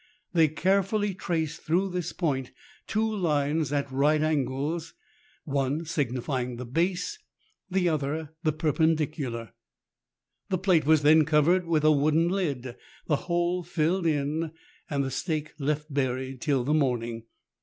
They carefully traced through this point two lines at right angles, one signifying the base, the other the perpendicular. The plate was then covered with a wooden lid, the hole filled in, and the stake left buried till the morning.